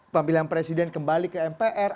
pemilihan presiden kembali ke mpr